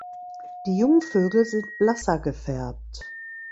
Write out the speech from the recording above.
Die Jungvögel sind blasser gefärbt.